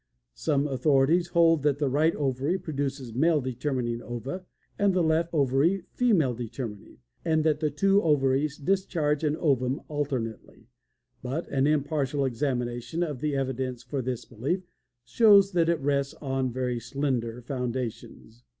Some authorities hold that the right ovary produces male determining ova, and the left ovary female determining, and that the two ovaries discharge an ovum alternately, but an impartial examination of the evidence for this belief shows that it rests on very slender foundations.